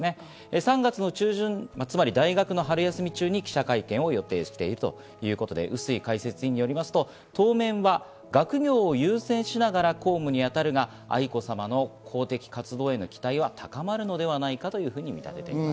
３月中旬、大学の春休み中に記者会見を予定しているということで、笛吹解説委員によりますと、当面は学業を優先しながら公務に当たるが、愛子さまの公的活動への期待は高まるのではないかというふうに見立てています。